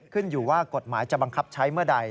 ขึ้นอยู่ว่ากฎหมายจะบังคับใช้เมื่อใด